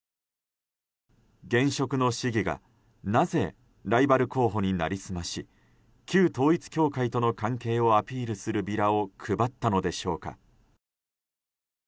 現職の市議がなぜライバル候補に成り済まし旧統一教会との関係をアピールするビラを配ったのでしょうか。